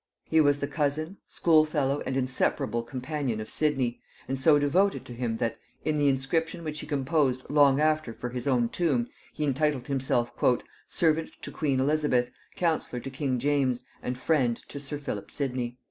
He was the cousin, school fellow, and inseparable companion of Sidney, and so devoted to him that, in the inscription which he composed long after for his own tomb, he entitled himself "servant to queen Elizabeth, councillor to king James, and friend to sir Philip Sidney."